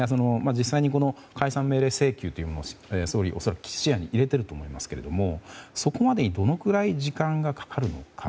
実際に、この解散命令請求を総理、恐らく視野に入れていると思うんですけどもそこまでにどのくらい時間がかかるのか。